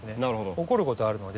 起こることあるので。